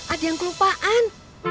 ada yang kelupaan